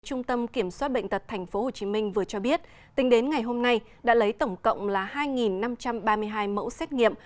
trung tâm kiểm soát bệnh tật tp hcm vừa cho biết tính đến ngày hôm nay đã lấy tổng cộng là hai năm trăm ba mươi hai mẫu xét nghiệm